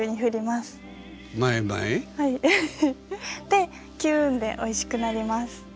でキューンでおいしくなります。